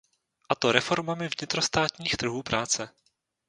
A to reformami vnitrostátních trhů práce.